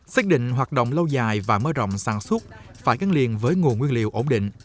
xác định hoạt động lâu dài và mở rộng sản xuất phải gắn liền với nguồn nguyên liệu ổn định